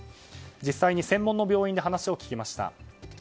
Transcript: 実際に専門の病院で話を聞きました。